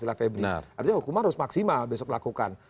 artinya hukuman harus maksimal besok lakukan